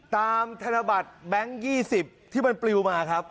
ตามธนบัตรแบงค์ยี่สิบที่มันปลิวมาครับ